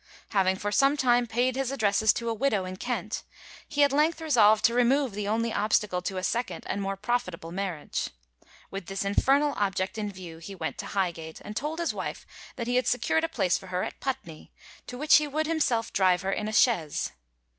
Having for some time paid his addresses to a widow in Kent, he at length resolved to remove the only obstacle to a second and more profitable marriage. With this infernal object in view he went to Highgate, and told his wife that he had secured a place for her at Putney, to which he would himself drive her in a chaise.